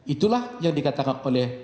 itulah yang dikatakan oleh